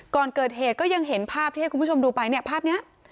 ก่อนเกิดเหตุก็ยังเห็นภาพที่ให้คุณผู้ชมดูไปเนี่ยภาพนี้